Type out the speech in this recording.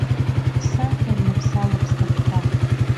Бсахьа рныԥсалоуп снапқәа.